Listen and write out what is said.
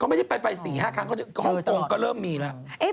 ก็ไม่ได้ไปไป๔๕ครั้งก็เริ่มมีแล้ว